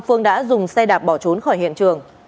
phương đã dùng xe đạp bỏ trốn khỏi hiện trường